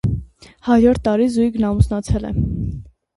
Հաջորդ տարի զույգն ամուսնացել է։